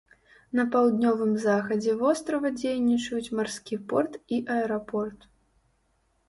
На паўднёвым захадзе вострава дзейнічаюць марскі порт і аэрапорт.